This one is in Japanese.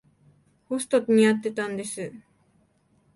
ホストに会ってたんです。